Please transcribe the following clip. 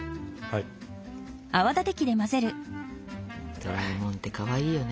ドラえもんってかわいいよね。